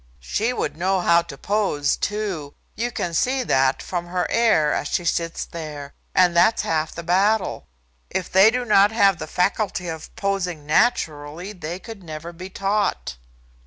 She would know how to pose, too. You can see that from her air as she sits there. And that's half the battle. If they do not have the faculty of posing naturally they could never be taught."